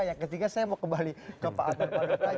yang ketiga saya mau kembali ke pak atta